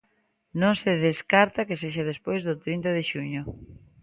Non se descarta que sexa despois do trinta de xuño.